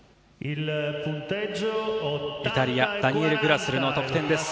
イタリア、ダニエル・グラスルの得点です。